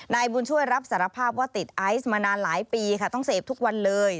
นายบุญช่วยรับสารภาพว่าติดไอซ์มานานหลายปีค่ะต้องเสพทุกวันเลย